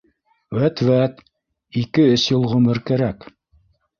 Вәт-вәт, ике-өс йыл ғүмер кәрәк